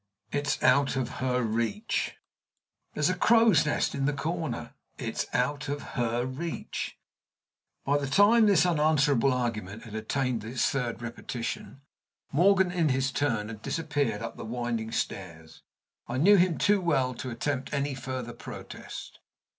"It's out of her reach." "There's a crow's nest in the corner." "It's out of her reach." By the time this unanswerable argument had attained its third repetition, Morgan, in his turn, had disappeared up the winding stairs. I knew him too well to attempt any further protest.